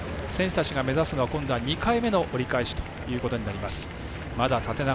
選手たちが目指すのは２回目の折り返しということになります。